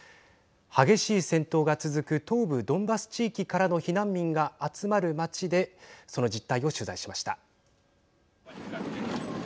激しい戦闘が続く東部ドンバス地域からの避難民が集まる町でその実態を取材しました。